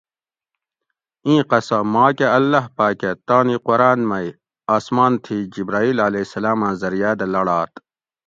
اِیں قصہ ماکہ اللّہ پاکہ تانی قرآن مئی آسمان تھی جبرائیل علیہ السّلام آں زریعاۤ دہ لاڑات